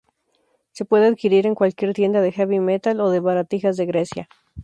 Se puede adquirir en cualquier tienda de "heavy metal" o de baratijas de Grecia.